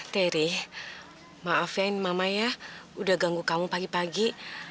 teri maafin mama ya udah ganggu kamu pagi pagi